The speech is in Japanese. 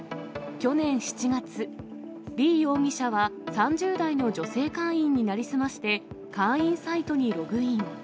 去年７月、李容疑者は３０代の女性会員に成り済まして、会員サイトにログイン。